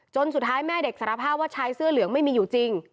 สุดท้ายแม่เด็กสารภาพว่าชายเสื้อเหลืองไม่มีอยู่จริง